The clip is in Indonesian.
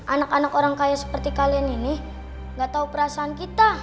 anak anak orang kaya seperti kalian ini gak tahu perasaan kita